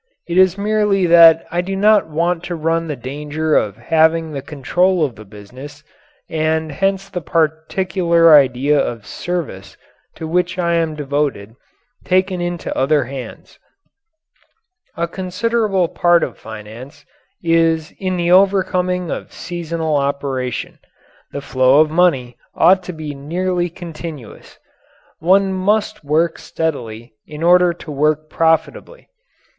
It is merely that I do not want to run the danger of having the control of the business and hence the particular idea of service to which I am devoted taken into other hands. A considerable part of finance is in the overcoming of seasonal operation. The flow of money ought to be nearly continuous. One must work steadily in order to work profitably.